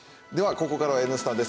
ここからは「Ｎスタ」です。